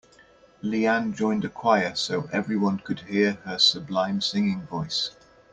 Leanne joined a choir so everyone could hear her sublime singing voice.